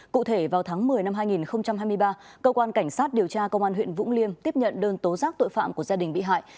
cụ thể vào tháng một mươi năm hai nghìn hai mươi ba cơ quan cảnh sát điều tra công an huyện vũng liêm tiếp nhận đơn tố giác tội phạm của gia đình bị hại